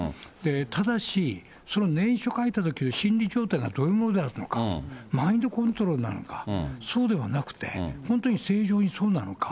ただし、その念書書いたときの心理状態がどういうものであったのか、マインドコントロールなのか、そうではなくて、本当に正常にそうなのか。